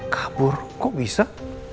kabur kok bisa